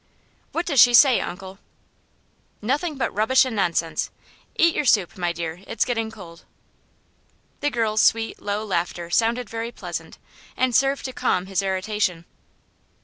"What does she say, Uncle?" "Nothing but rubbish and nonsense. Eat your soup, my dear; it's getting cold." The girl's sweet, low laughter sounded very pleasant, and served to calm his irritation.